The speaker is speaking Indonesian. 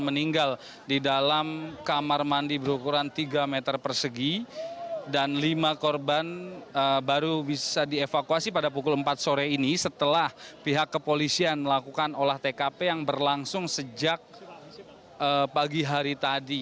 meninggal di dalam kamar mandi berukuran tiga meter persegi dan lima korban baru bisa dievakuasi pada pukul empat sore ini setelah pihak kepolisian melakukan olah tkp yang berlangsung sejak pagi hari tadi